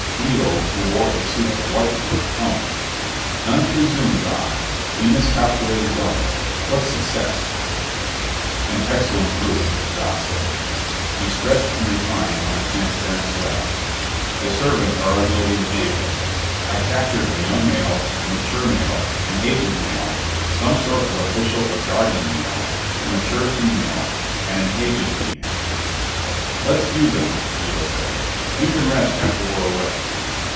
Eo, who wore a suit of white fur, hummed, "None too soon, Za. We miscalculated dawn. What success?" "An excellent group," Za said. He stretched and reclined on a transparent slab. "The servants are unloading the vehicle. I captured a young male, a mature male, an aged male, some sort of official or guardian male, a mature female, and an aged female." "Let's view them," Eo said. "You can rest after we're away."